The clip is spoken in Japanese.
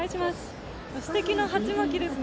すてきなはちまきですね。